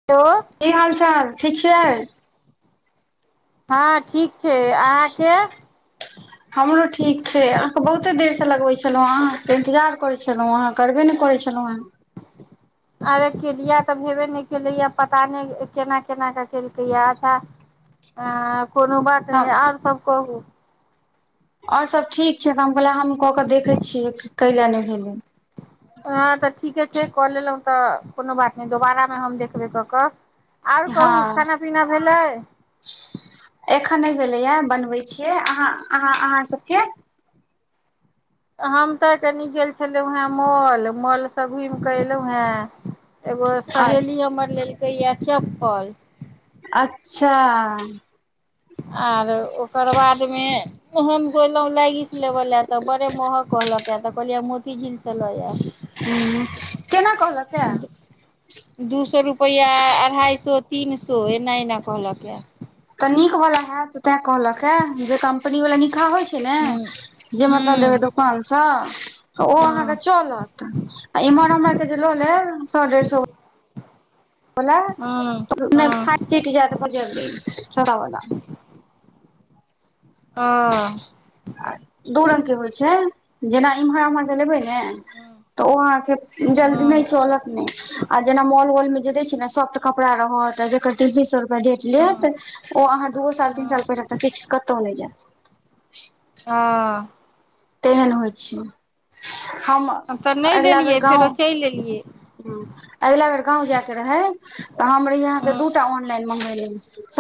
[unintelligible] की हाल चाल ठीक छियै हँ ठीक छै अहाँके हमरो ठीक छै अहाँके बहुते देर से लगबे छलौं अहाँं के इंतजार करै छलहुँ हँ करबे नय करै छलहुँ हेँ अरे केलिया तऽ भेबे नय केलैय पता नय केना केना कऽ केलकैए अच्छा अ कोनो बात नय हम आर सब कहू ओर सब ठीक छै त हम कहले हम कऽ के देखै छियै कै ल नय भेलै हँ तऽ ठीके छै कऽ लेलहुँ तऽ कोनो बात नय दोबारा मे हम देखबे कऽ कऽ ओर हँ कहू खाना पीना भेलै एखन नय भेलैय बनबै छियै अहह अहाँ सबके हम तऽ कनी गेल छलहुँ हेँ मॉल मॉल से घुमि कऽ एलहुँ हें एगो सहेली हमर लेलकै यऽ चप्पल अच्छा आर ओकर बादमे हम गलहुं लैगीज लेबे ले तऽ बड़े मोहक कहलक त कहलीये मोती झील स ल आब ह केना कल्हक है दू सए रुपैआ अढ़ाई सए तीन सो एना एना कहलक य तऽ नीक वला हत तऽ तैँ कहलक हे जे कम्पनी वाला निकहाह होइत छै ने हूँ जे मतलब लेबै हूँ दोकान स ओ अहाँके हँ चलत इम्हर हमर के जे ल लेब सए डेढ़ सए बला हँ नय हँ फाइट चित जाइत पर जलदी ओ आ दू रंग के होइ छै जेना इम्हर उम्हर सँ लेबै ने तऽ ओ अहाँके जल्दी हँ नय चलत ने आ जेना मॉल वॉल मे जे दै छै ने सबटा कपड़ा रहत जकर तीन बीस सए रुपआ रेट हँ लेत ओ अहाँ दूओ साल तीन हँ साल पहिनेब तऽ किछु कतहु नय जायब हा तेहन होइ छै हम तऽ नहि अगिला बेर गाँव [unintelligible] लेलियै ह अगिला बेर गाँव जायके रहै तऽ हम रहि अहाँके हँ दू टा ऑनलाइन मँंगेेले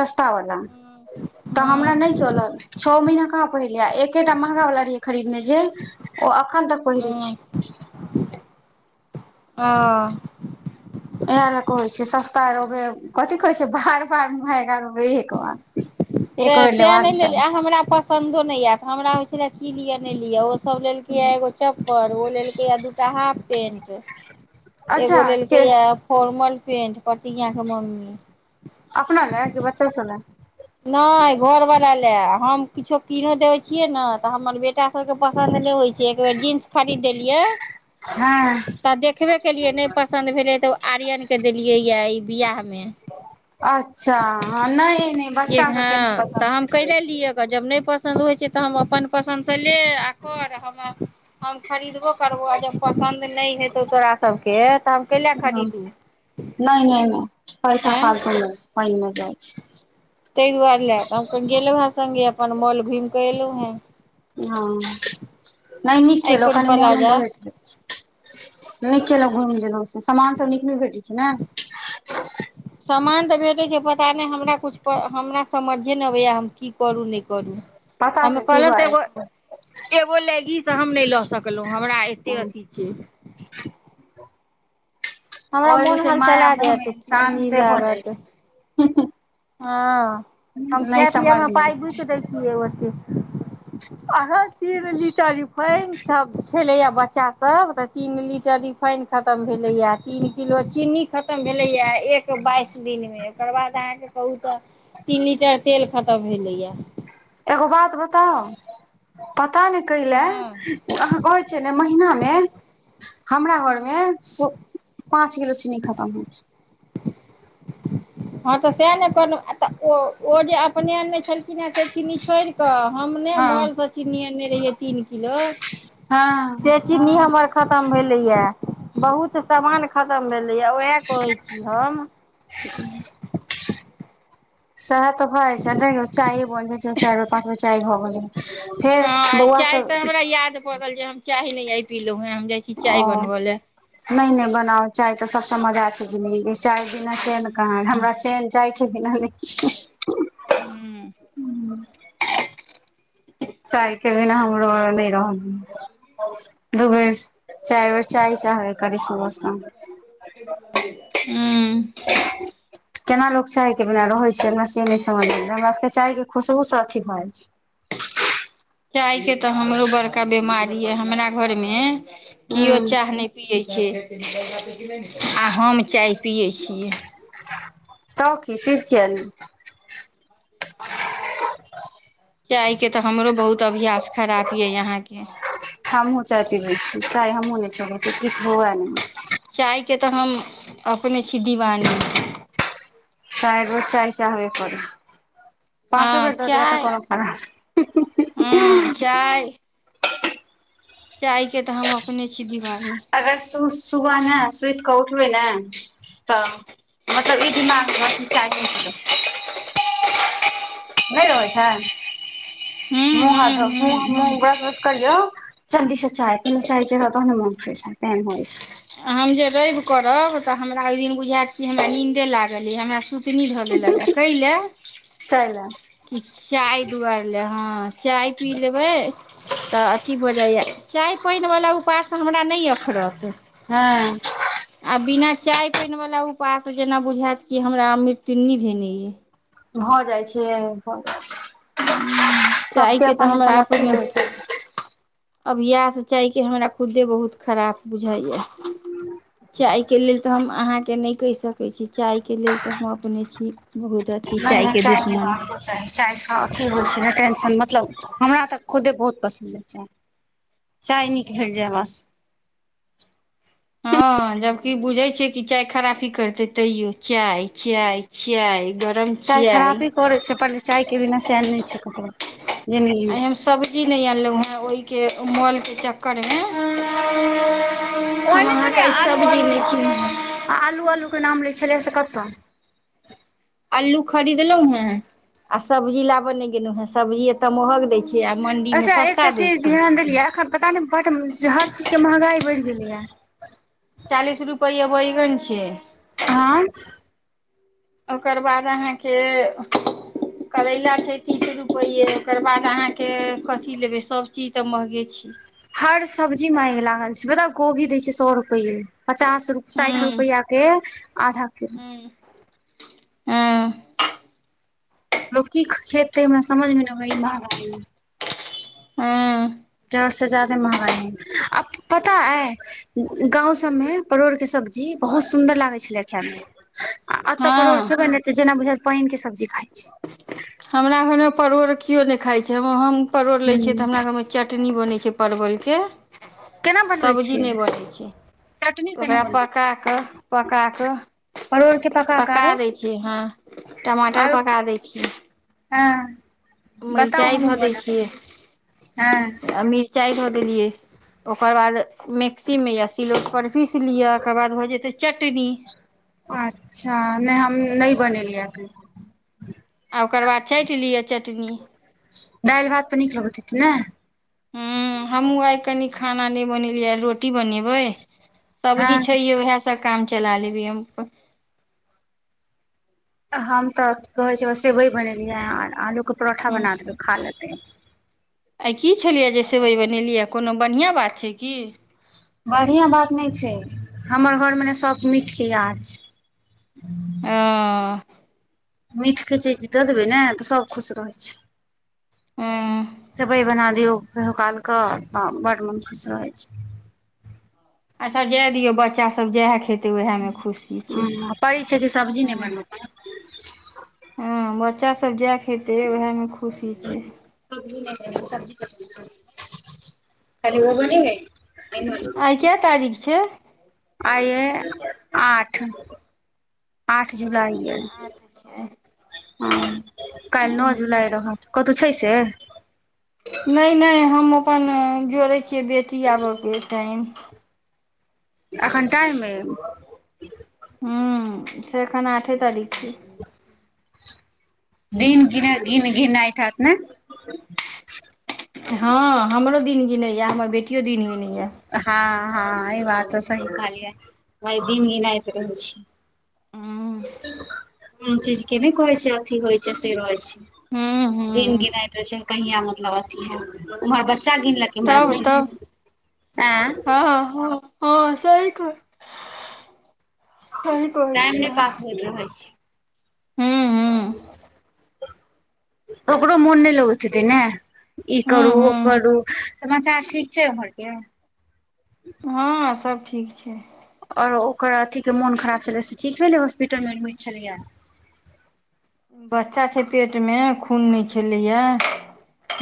सस्ता वलाा हँ तऽ हमरा नहि हँ चलल छओ महीना कहाँ पहिरलियै एकेटा महँगा वला रहियै खरीदने जे ओ अखन तक पहिरै छी ओ इहाए लऽ कहै छै सस्ता रोबे कथी कहै छै बार बार महँगा रोबे एक बार [inaudible] ता तें नहि लेबाक लेलियै चाही हमरा पसन्दो नहि आएत हमरा होइ छलाह की लिअ नहि लिअ ओ सब लेलकए या एगो चप्पर ओ लेलकए या दूटा हाफ पेंट अच्छा एगो लेलकै के या फोर्मल पेंट प्रतिज्ञाके मम्मी अपना लाए कि बच्चा सब लाए नहि घरवला लाए हम किछो किनो देबै छियै न तऽ हमर बेटी एकरा सबके पसन्द नहि होइ छै एक बेेर जीन्स खरीद देलियै हँ तऽ देखबे केलियै नहि पस- -सन्द भेलै तऽ उ-आर्यनके देलियै या बिआहमे अच्छा हाँ नहि नहि एक बच्चा सबके नहि हाँ तऽ हम पसन्द होइत रहै कैएला लिअ ग जब नहि पस- पसन्द होइ छै तऽ हम अपन पसन्दसँ ले आ कर हमरा हम खरीदबो करबौ आ जब पसन्द नहि हेतौ तोरा सभके तऽ हम कैएला छै खरीदू नहि नहि नहि पैसा आँय फालतु पइनमे जाइ छै तहि दुआरेला हम अपन गेलहूँ हें सङ्गे अपन मॉल घुमि कऽ एलहूँ हें हाँ नहि नीक आइ केएलों कोन कनी मोनो प्लाजा बहैल जाइ छै नीक केएलहुँ घुमि लेलहुँ समान सब नीक नहि भेटै छै ने सामान तऽ भेटै छै पता नहि हमरा कछु हमरा समझे नहि अबैया हम की करू नहि करू पता हम छै की कहलहूँ भऽ तऽ जाइ एगो छै एगो लैगीस हम नहि लऽ सकलहुँ हमरा एते अथि छे हमरा मोन कहलहूँ हलचला जायत मायामोहमे की शान्त नी से भऽ जाइ छै हाँ हम नहि खाय पीयएमे समझमे पाइ बुकि दै छी केओते अहाँ तीन लीटर रिफाइन छाप छै छलैया बच्चा सब तऽ तीन लीटर रिफाइन खतम भेलैया तीन किलो चीन्नी खतम भेलै या एक बाइस दिनमे ओकर बाद अहाँके कहु तऽ तीन लीटर तेल खतम सब भेलैया एगो बात बताउ पता नहि कएला हँ अहाँ कहै छियै ने महिनामे हमरा घरमे पाँच किलो चीनी खतम होइ छै हँ तऽ सहाए ने कहलहूँ आ-तऽ ओ-ओ जे अपने अनने छलखिन हें से चीनी छोडि तऽ छै हमनै हँ मॉलसँ चीनी अनने रहियै तीन किलो हाँ से चीनी हमर खतम भेलै या बहुत सामान खतम भेलै या ओहाए कहै छी हम [unintelligible] सहाए तऽ भए जाइ छै देखियौ चारि बाजै छै चारि बेर पाँच बेर चाय भए गेलै फेर बौआ सब कहलक जे हम चाय नै आय पीलौं हन हम जाइ छी ओ चाय बनबय लए नहि नहि बनावउ चाय तऽ सबसे मजा छै जिंन्दगीके चाय बिना चेन्न कहाँ रे हमरा चेन्न चायके बिना नहि हू [unintelligible] चाय के बिना हमरो नय रहल [unintelligible] चेयर बैर चााय चाबे करी सुबह साम हू केना लोक चाय के बिना रहै छै हमरा से नय समझ हमरा सबके चाय के खुशब से अथी भए जाइ छै चाय के तऽ हमरो बड़का बिमारी अइ हमरा घर मे छै केओ हूँ चाह नय पियैत छै आ हम चाह पियै छियै त की फिर पिब किआ नै चाय के तऽ हमरो बहुत अभ्यास खराब यऽ यहााँ के हमूँ चाय पीबै छीय चाय हमहूँ नय छोड़ै छ छी किछु हो या नय चाय के तऽ हम अपने छी दीवानी चाह बेर चाह चाहब करी पाँचो हँ बेर द देबे तऽ खब हाँ चाय चाय के तऽ हम अपने छी दिवानी सु सुबह मे सुति कऽ उठबै ने तऽ मतलब ई दिमाग मे रहत चाय नै पिल्लो नय रहै छै हूं मुँ हथ हूं धो हूं ब्रस करियौ चण्डी से चाय पहिले चाय च तो मोन फ्रेश ह तेहन होइ छै हम जे रेब करब तऽ हमरा ओहि दिन बुझाइत कि हमरा नीन्दे लागल य हमरा सु सुतनी ध लेलक या अ कई ला चाय ले कि चाय दुआर ले हँ चाय पी लेबै तऽ अथी भऽ जाइए चाय पाइन वला उपायसँ हमरा नय अखड़त हँ आ बिना चाय पाइन वाला उपास से जेना बुझायत कि हमरा मृत्यु निधेनि धने ये भऽ जाइ छै भऽ जाइ छै अइ सबके चायके तऽ अपन अपन अथी रहै छै अबयास चाय के हमरा खुदे बहुत खराब बुझइये चााय के लेल तऽ हम अहाँ के नय कहि सक कहै छी चाय के लेल तऽ हम अपने छी बहुत अथी नै चाय नै के दुश्मन पीबाको चाही चाय सँ अथी होइ छै ने टेंशन मतलब हमरा तऽ खुदे बहुत पसन्द या चाय चाय निक भेट जाय बस हँ जबकि बुझे छै कि चाय खराबी करते तैयो चाय चाय चाय गरम चाय खराबी करै छै पर चाय के बिना चैन नय छै ककरो जिनगी आइ मे। हम सब्जी नय आनलहुँ हेँ ओहिके मॉल के चक्कर मे हम अहाँके आई सब्जी नय किन आ आलू आलू के नाम लै छलिय से कतऽ अलू खरीदलहुं हें आ सब्जी लाबे ने गेलो हे सब्जी एते महग दय छी आ मन अच्छा एकटा चीज ध्यान देलियै अखन पता नय ब हर चीज के महंगाई बढ़ गेलै या चालीस रुपैआ बैगन छै आई ओकर बाद अहाँ के करैला छै तीस रुपैेये ओकर बाद अहाँके कथी लेबै सभचीज तऽ महगे छय हर सब्जी मा आग लागल छै बताउ कोभी दय छै सए रुपये पचास साठि हूँ रुपआ के आधा किलो [unintelligible] हँ लोक की खेतै हमरा समझ में नै आबै यऽ ई महंगाई में [unintelligible] चार से जादे महंगाई है आ पता आए गाँव सब में परोड़ कऽ सब्जी बहुत सुन्दर लागै छलै खायइ में आ ऐत परोड़ हँ खेबे न जेना बुझत पाइन केँ सब्जी खाय छी हमरा घर म परोड़ किओ नै खाइ छै हम परोड़ लै छियै तऽ हूँ हमरा घर म चटनी बनै छै परवल केँ केना [inaudible] बनबै सब्जी छियै नै बनै छै चटनी केना ओकरा बनबै पका छियै कऽ पका परोड़ के कऽ कऽ पका आरो दै छियै हँ टमाटर आरो पका दै छि हँ बताउ मिरचाइ हमहूँ धऽ दै बनायब छियै हँ [inaudible] आ मिरचाइ धऽ देलियै ओकर बाद मिक्सी में या सिलौट पीस लिअ ओकर बाद भऽ जेतै चटनी अच्छा नै हम नै बनेलियै अखैन आ ओकर बाद चाइट लिअ चटनी दाइल भात पर नीक लगत हतै ने हु हमहूँ आइ कनि खाना नै बनेलियै आ रोटी बनेबै सब्जी हँ छैहे उएह सभ काम चला लेबै हम अपन हम तऽ कहे छै सेवई बनेलियै ह आलू कऽ परोठा बना हूँ देलु खा लेते आइ की छलियै जे सेवइ बनेलियै कोनो बढ़िआँ बात छै की बढ़िआँ बात नै छै हमर घर में न सभ मीठ केँ यार छै ओ मीठ केँ जे जी दऽ देबै न तऽ सभ खुश रहै छै हूँ [inaudible] सेवइ बना दियौ कहियो काल कऽ तऽ बड मोन खुश रहै छै अच्छा जै दिऔ बच्चा सब जैह खेतै ओहे म खुशी छै ह पड़ै छै कि [inaudible] सब्जी नहि हु बनबऽ ह बच्चा सब जैह खेते उहै में खुशी छै [unintelligible] खाली ओ बनै है आइ कै तारीख छै आए आठ [inaudible] आठ जुलाइ यऽ अच्छ छै हु [inaudible] काइल नौअ जुलाई रहत कतौ छै से नै नै हम अपन जोड़ै छियै बेटी आब कऽ टाइम एखन टाइम हैय हु से एखन आठे तारीख छै [unintelligible] दिन गिने गिन गिनैय काटनैय [unintelligible] हँ हमरो दिन गिनैए हमर बेटियो दिन गिनैए हँ हँ ई बात तऽ सही कहलियै हम दिन गनाइत रहै छी हूँ [unintelligible] केन चीज केँ नै कहै छै अथी होइ छै से रहै छै हूँ दिन हूँ गिनैत रहै छै कहिया मतलब अथी है उम्हर बच्चा गिनलैक एम्हर तब अपने गिन तब [unintelligible] हँ सही कहलियै सही कहै टाइम नहि छैय अहाँ पास रहै छी हूँ ओकरो मोन नै लगैत ने ई हूँ करू ओ हूँ करू समाचार ठीक छै उम्हर केँ हँ सब ठीक छै आओर ओकर अथी के मोन खराब छलै से ठीक भेलै हॉस्पिटल मे एडमिट छलैया बच्चा छै पेट मे खून नय छलैया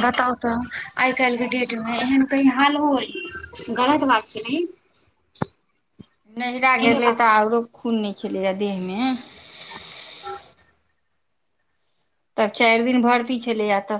बताउ तऽ आइ काल्हि के डेट मे एहन कहीं हालो होय गलत बात छै न ई नहिरा गेलै तऽ आओरो खून नय छलैया देह मे तब चारि दिन भर्ती छलैया तऽ